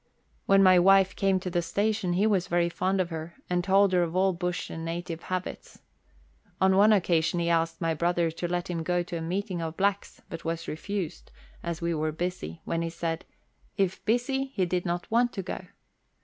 When my wife came to the station he was very fond of her, and told her of all bush and native habits. On one occasion he asked my brother to let him go to a meeting of blacks, but was refused, as we were busy, when he said " If busy, he did not want to go."